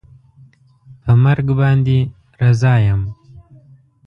په مرګ باندې رضا یم